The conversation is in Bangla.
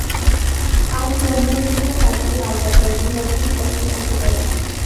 আখ লম্বালম্বিভাবে কাটলে লাল পচা রোগের লক্ষণ স্পষ্ট চোখে পড়ে।